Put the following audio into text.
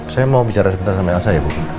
saya mau bicara sebentar sama elsa ya bu